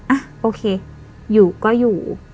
อ่ะโอเคอยู่ก็อยู่